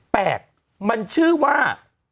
แปลกมันชื่อว่า